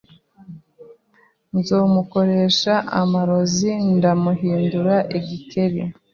Nzomukoresha amarozi ndamuhindura igikeri